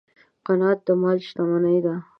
قناعت د مال شتمني ده.